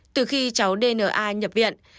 từ khi cháu đn a nhập viện bà nhàn không thể liên lạc